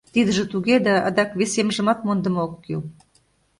Тидыже туге да, адак вес эмжымат мондымо ок кӱл.